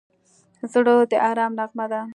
زړه د ارام نغمه ده.